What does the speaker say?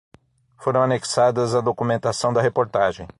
Foram anexadas à documentação da reportagem